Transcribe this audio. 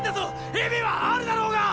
意味はあるだろうがっ！